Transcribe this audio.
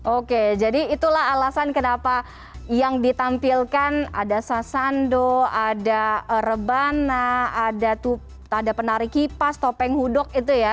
oke jadi itulah alasan kenapa yang ditampilkan ada sasando ada rebana ada penari kipas topeng hudok itu ya